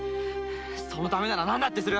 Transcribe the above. そのためなら何だってする！